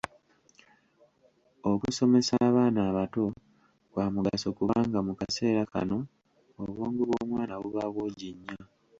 Okusomesa abaana abato kwa mugaso kubanga mu kaseera kano obwongo bw’omwana buba bwogi nnyo.